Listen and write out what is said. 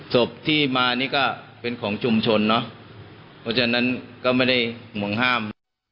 ศพที่มานี่ก็เป็นของชุมชนเนอะเพราะฉะนั้นก็ไม่ได้ห่วงห้าม